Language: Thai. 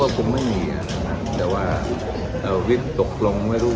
วัวกันผมก็คงไม่มีแต่ว่าวิทย์ตกลงไม่รู้